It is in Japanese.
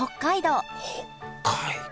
北海道。